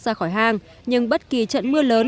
ra khỏi hang nhưng bất kỳ trận mưa lớn